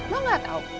lu gak tau